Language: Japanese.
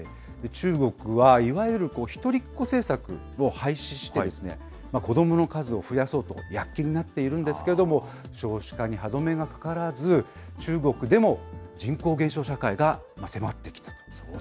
中国はいわゆる一人っ子政策を廃止して、子どもの数を増やそうとやっきになっているんですけれども、少子化に歯止めがかからず、中国でも人口減少社会が迫ってきていると。